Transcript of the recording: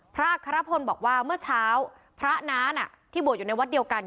อัครพลบอกว่าเมื่อเช้าพระน้าน่ะที่บวชอยู่ในวัดเดียวกัน